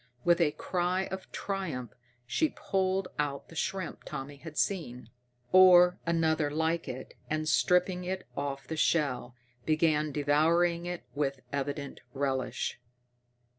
With a cry of triumph she pulled out the shrimp Tommy had seen, or another like it, and, stripping it off the shell, began devouring it with evident relish.